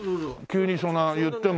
急にそんな言っても。